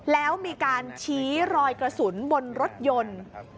แล้วมีการชี้รอยกระสุนบนรถยนต์